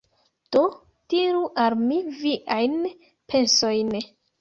Do, diru al mi viajn pensojn